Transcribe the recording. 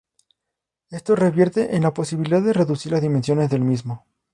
Esto revierte en la posibilidad de reducir las dimensiones del mismo.